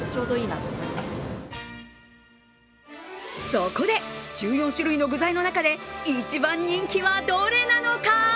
そこで、１４種類の具材の中で一番人気はどれなのか。